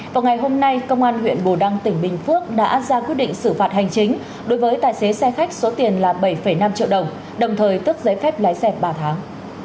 vào ngày hôm nay công an huyện bù đăng tỉnh bình phước đã ra quyết định xử phạt hành chính đối với tài xế xe khách số tiền là bảy năm triệu đồng đồng thời tước giấy phép lái xe ba tháng